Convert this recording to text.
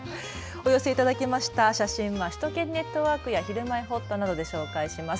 お寄せいただきました写真は首都圏ネットワークやひるまえほっとなどで紹介します。